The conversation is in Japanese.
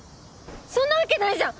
そんなわけないじゃん！